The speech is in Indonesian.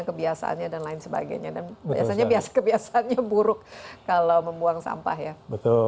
dan biasanya kebiasaannya buruk kalau membuang sampah ya